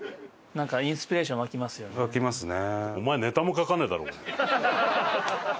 湧きますね。